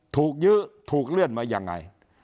ยื้อถูกเลื่อนมายังไง